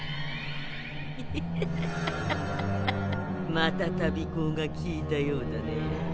またたび香が効いたようだね。